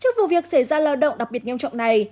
trước vụ việc xảy ra lao động đặc biệt nghiêm trọng này